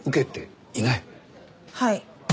はい。